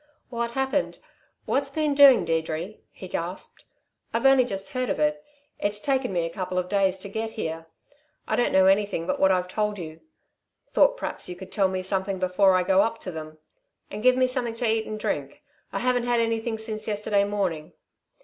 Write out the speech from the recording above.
"What happened? What's been doing, Deirdre?" he gasped. "I've only just heard of it. It's taken me a couple of days to get here. I don't know anything but what I've told you. Thought p'raps you could tell me something before I go up to them. And give me something to eat and drink.... I haven't had anything since yesterday morning."